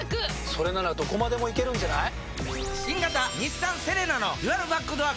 それならどこまでも行けるんじゃない？